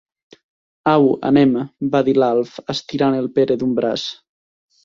Au, anem —va dir l'Alf, estirant el Pere d'un braç.